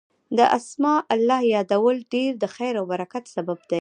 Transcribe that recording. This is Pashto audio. د اسماء الله يادول ډير د خير او برکت سبب دی